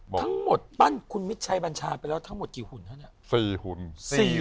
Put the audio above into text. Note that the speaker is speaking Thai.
ทั้งหมดปั้นคุณมิตรชัยบัญชาไปแล้วทั้งหมดกี่หุ่นฮะเนี่ย